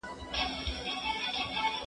زه به د کتابتون پاکوالی کړی وي!!